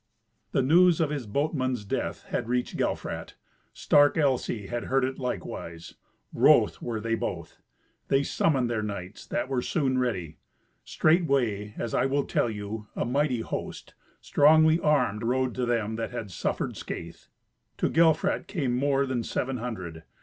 The news of his boatman's death had reached Gelfrat. Stark Elsy had heard it likewise. Wroth were they both. They summoned their knights, that were soon ready. Straightway, as I will tell you, a mighty host, strongly armed, rode to them that had suffered scathe. To Gelfrat come more than seven hundred.